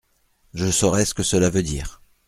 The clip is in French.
Je saurai ce que cela veut dire.